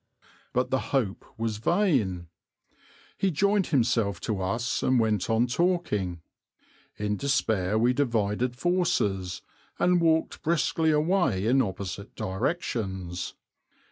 But the hope was vain. He joined himself to us and went on talking. In despair we divided forces, and walked briskly away in opposite directions.